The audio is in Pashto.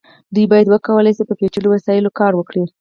دوی باید وکولی شي په پیچلو وسایلو کار وکړي.